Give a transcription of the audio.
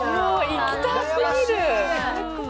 行きたすぎる！